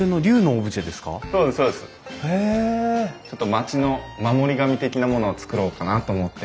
町の守り神的なものをつくろうかなと思って。